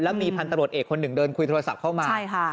แล้วมีพันตรวจเอกคนหนึ่งเดินคุยโทรศัพท์เข้ามา